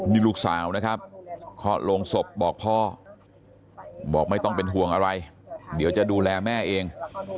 นี่ลูกสาวนะครับเคาะลงศพบอกพ่อบอกไม่ต้องเป็นห่วงอะไรเดี๋ยวจะดูแลแม่เอง